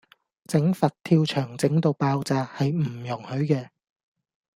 整佛跳牆整到爆炸，係唔容許嘅